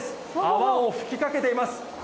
泡を吹きかけています。